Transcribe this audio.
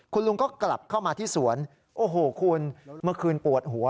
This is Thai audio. คุณลุงก็กลับเข้ามาที่สวนโอ้โหคุณเมื่อคืนปวดหัว